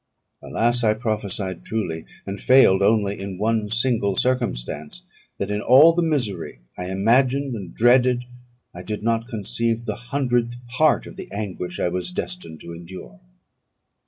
Alas! I prophesied truly, and failed only in one single circumstance, that in all the misery I imagined and dreaded, I did not conceive the hundredth part of the anguish I was destined to endure.